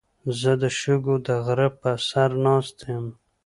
زه د شګو د غره په سر ناست یم.